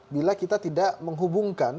bila kita tidak menghubungkan